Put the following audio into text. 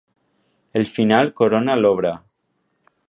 El final corona l'obra.